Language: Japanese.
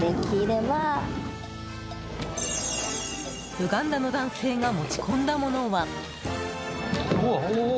ウガンダの男性が持ち込んだものは。